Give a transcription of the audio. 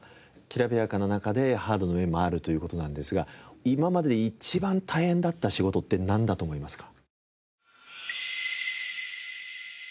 きらびやかな中でハードな面もあるという事なんですが今までで一番大変だった仕事ってなんだと思いますか？